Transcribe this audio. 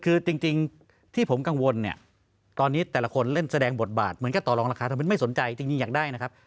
คือจริงที่ผมกังวลเนี่ยตอนนี้แต่ละคนเล่นแสดงบทบาทเหมือนกับต่อรองราคาทำไมไม่สนใจจริงอยากได้นะครับ